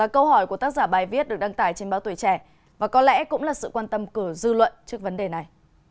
câu hỏi của tác giả bài viết được đăng tải trên báo tuổi trẻ và có lẽ cũng là sự quan tâm cử dư luận trước vấn đề này